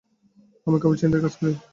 আমি কেবল ছিনতাইয়ের কাজ করি।